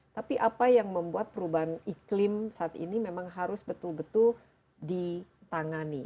tapi apa yang membuat perubahan iklim saat ini memang harus betul betul ditangani